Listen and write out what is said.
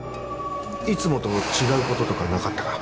いつもと違うこととかなかったか？